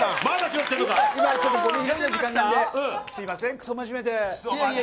すいませんクソ真面目で。